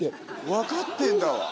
分かってんだわ。